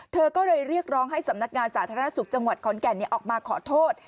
เธอก็เลยเรียกร้องให้สำนักงานสาธารณสุขจังหวัดขอนแก่นออกมาขอโทษ